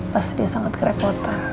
pasti dia sangat kerepotan